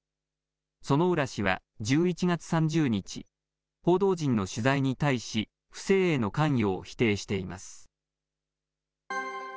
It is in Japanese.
薗浦氏は、１１月３０日、報道陣の取材に対し、不正への関与を否定しています。